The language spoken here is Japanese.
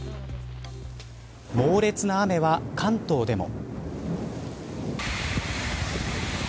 猛烈な雨は、関東でも。